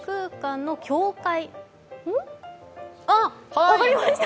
あっ、分かりました！